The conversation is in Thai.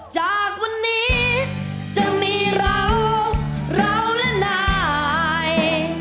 จากวันนี้จะมีเราเราและนาย